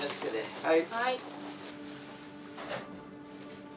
はい。